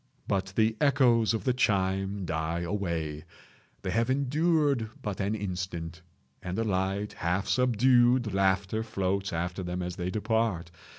But the echoes of the chime die away—they have endured but an instant—and a light, half subdued laughter floats after them as they depart.